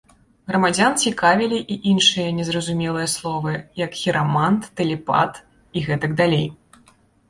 Грамадзян цікавілі і іншыя незразумелыя словы, як хірамант, тэлепат і гэтак далей.